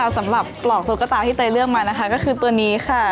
สำหรับกรอกตุ๊กตาที่เตยเลือกมานะคะก็คือตัวนี้ค่ะ